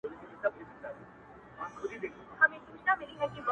په ټوله ښار کي مو له ټولو څخه ښه نه راځي ـ